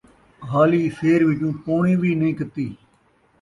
حالی سیر وچوں پوݨی وی نئیں کَتّی